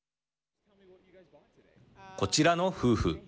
こちらの夫婦。